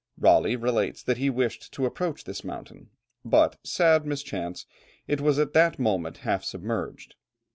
Raleigh relates that he wished to approach this mountain, but, sad mischance, it was at that moment half submerged.